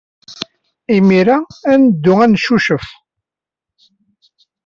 Imir-a ad neddu ad neccucef.